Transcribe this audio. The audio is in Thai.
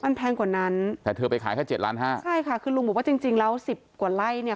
มันแพงกว่านั้นแต่เธอไปขายแค่เจ็ดล้านห้าใช่ค่ะคือลุงบอกว่าจริงจริงแล้วสิบกว่าไร่เนี่ย